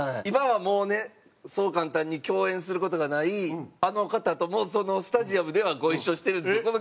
今はもうねそう簡単に共演する事がないあの方ともそのスタジアムではご一緒してるんですよ。